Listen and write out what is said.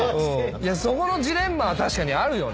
そこのジレンマは確かにあるよね。